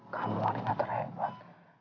kamu orang terhebat